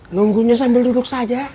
nunggu dia sambil duduk saja